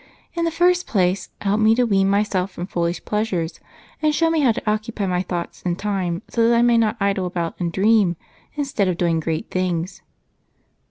In the first place, help me to wean myself from foolish pleasures and show me how to occupy my thoughts and time so that I may not idle about and dream instead of doing great things."